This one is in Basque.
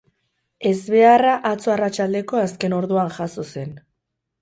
Ezbeharra atzo arratsaldeko azken orduan jazo zen.